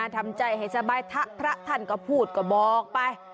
ทำใจให้สบายทะพระท่านก็พูดก็บอกไป